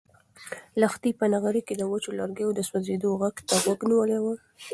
لښتې په نغري کې د وچو لرګیو د سوزېدو غږ ته غوږ نیولی و.